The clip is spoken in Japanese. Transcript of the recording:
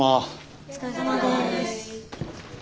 お疲れさまです。